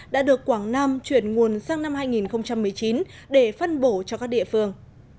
đã được quảng nam chuyển nguồn sang năm hai nghìn một mươi chín để phân bổ cho các địa phương